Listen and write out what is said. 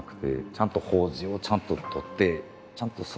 ちゃんと法事をちゃんととってちゃんとね